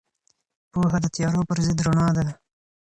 پوهه د تیارو پر ضد رڼا ده.